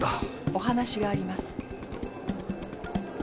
お話があります。